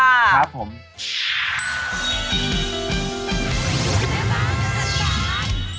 หัวแม่บ้าแม่สัตว์สาร